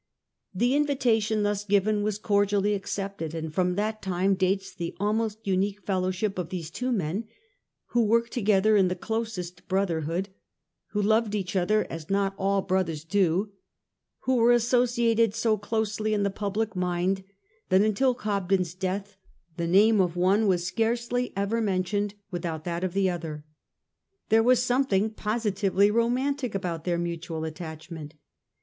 The invitation thus given was cordially accepted, and from that time dates the almost unique fellowship of these two men, who worked together in the closest brotherhood, who loved each other as not all brothers do, who were associated so closely in the public mind that until Cobden's death the name of one was scarcely ever mentioned without that of the other. There was something positively romantic about their mutual attachment.